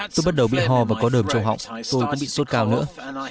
tôi bắt đầu bị ho và có đờm trong họng tôi cũng bị sốt cao nữa